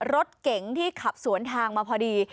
รถเก๋งที่ขับสวนทางมาพอดี